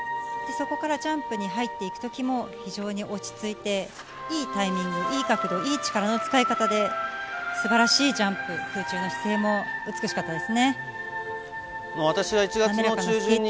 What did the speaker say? そこからジャンプに入っていくときも非常に落ち着いて、いいタイミング、いい角度、いい力の使い方で素晴らしいジャンプ、空中の姿勢も美しかったですね。